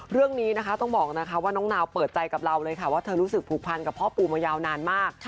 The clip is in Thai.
เรื่องนี้นะคะต้องบอกนะคะว่าน้องนาวเปิดใจกับเราเลยค่ะว่าเธอรู้สึกผูกพันกับพ่อปูมายาวนานมาก